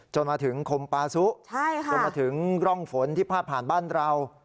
จนมาถึงคมปาซุจนมาถึงร่องฝนที่พาดผ่านบ้านเรา